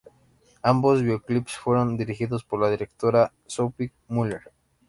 Ambos videoclips fueron dirigidos por la directora Sophie Muller.